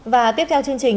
và tiếp theo chương trình